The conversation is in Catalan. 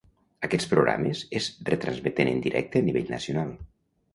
Aquests programes es retransmeten en directe a nivell nacional.